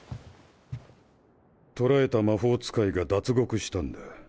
捕らえた魔法使いが脱獄したんだ。